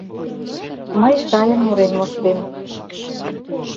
— Мый сайын мурен моштем.